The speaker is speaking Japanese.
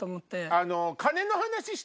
あの。